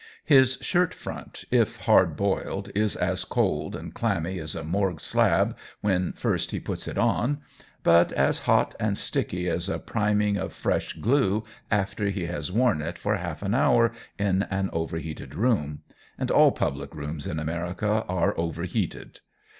His shirt front, if hard boiled, is as cold and clammy as a morgue slab when first he puts it on; but as hot and sticky as a priming of fresh glue after he has worn it for half an hour in an overheated room and all public rooms in America are overheated.